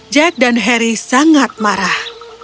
jack dan harry sangat marah